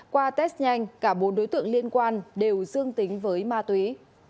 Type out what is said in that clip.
qua test nhanh cả bốn đối tượng liên quan đều dương tính với ma túy